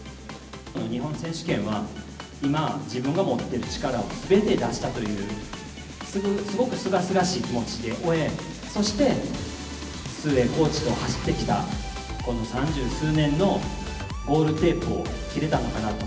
日本選手権は今、自分が持ってる力をすべて出したという、すごくすがすがしい気持ちで終え、そして、崇英コーチと走ってきた、この三十数年のゴールテープを切れたのかなと。